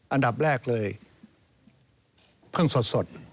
อันดับแรกเลยเพิ่งสด